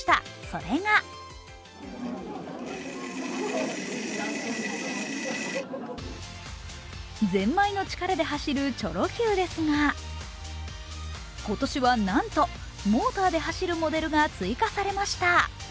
それがゼンマイの力で走るチョロＱですが今年はなんと、モーターで走るモデルが追加されました。